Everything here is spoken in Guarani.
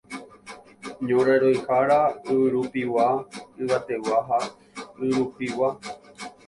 ñorairõhára yvyrupigua, yvategua ha yrupigua.